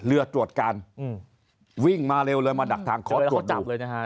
เรือตรวจการวิ่งมาเร็วเลยมาดักทางขอตรวจดู